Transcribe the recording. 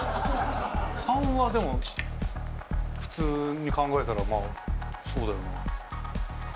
③はでも普通に考えたらまあそうだよな。